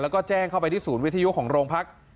แล้วก็แจ้งเข้าไปที่ศูนย์วิทยุของโรงพัก